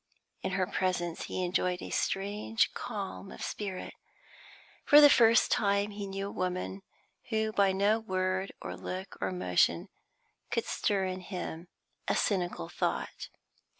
In her presence he enjoyed a strange calm of spirit. For the first time he knew a woman who by no word or look or motion could stir in him a cynical thought.